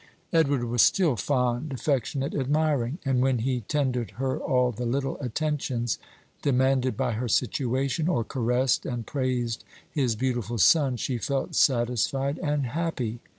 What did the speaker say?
Edward was still fond, affectionate, admiring; and when he tendered her all the little attentions demanded by her situation, or caressed and praised his beautiful son, she felt satisfied and happy.